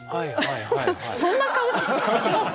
そんな顔します？